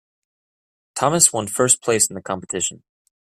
Thomas one first place in the competition.